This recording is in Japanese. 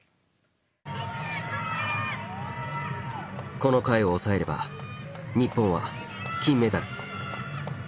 この回を抑えれば日本は金メダル。